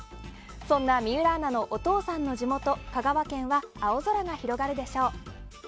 そんな水卜アナのお父さんの地元香川県は青空が広がるでしょう。